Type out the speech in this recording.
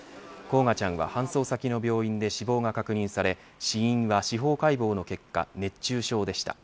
煌翔ちゃんは搬送先の病院で死亡が確認され死因は司法解剖の結果熱中症でした。